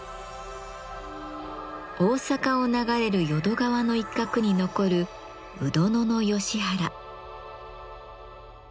大阪を流れる淀川の一角に残る「鵜殿のヨシ原」。